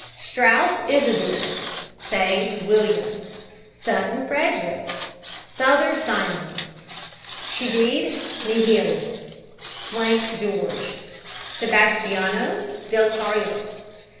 STRAUS, ISIDOR. SAGE, WILLIAM. SHEA, . SUTTON, FREDERICK. SOTHER, SIMON. SCHEDID, NIHIL. SWANK, GEORGE. SEBASTIANO, DEL CARLO.